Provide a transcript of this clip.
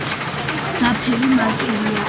ძაფები მარტივია ან დატოტვილი.